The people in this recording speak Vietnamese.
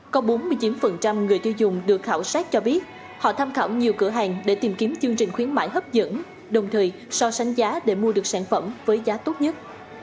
có bốn mươi chín người tiêu dùng được khảo sát cho biết họ tham khảo nhiều cửa hàng để tìm kiếm chương trình khuyến mại hấp dẫn đồng thời so sánh giá để mua được sản phẩm với giá tốt nhất